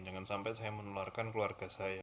jangan sampai saya menularkan keluarga saya